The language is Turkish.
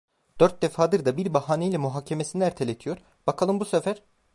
Dört defadır da bir bahaneyle muhakemesini erteletiyor, bakalım bu sefer…